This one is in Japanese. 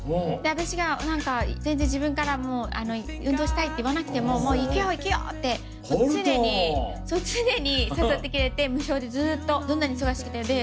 私が全然自分から運動したいって言わなくても「行くよ行くよ」って常に誘ってくれて無償でずっとどんなに忙しくても。